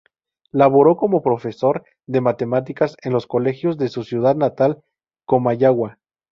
Laboró como profesor de matemáticas en los colegios de su ciudad natal, Comayagua.